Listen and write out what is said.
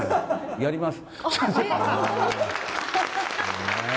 やります。